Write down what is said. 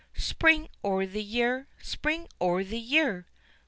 "_Spring o' the year! Spring o' the year!